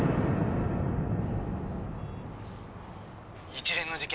「一連の事件